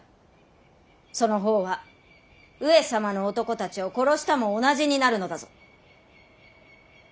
その方は上様の男たちを殺したも同じになるのだぞ！